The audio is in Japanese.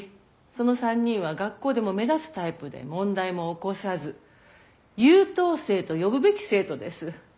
その３人は学校でも目立つタイプで問題も起こさず優等生と呼ぶべき生徒です。